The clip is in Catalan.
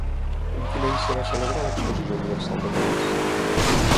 En quin any es va celebrar l'Exposició Universal de París?